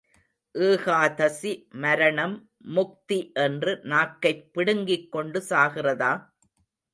ஏகாதசி மரணம் முக்தி என்று நாக்கைப் பிடுங்கிக் கொண்டு சாகிறதா?